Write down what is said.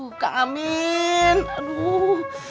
aduh kang amin aduh